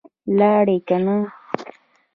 لاړې که نه؟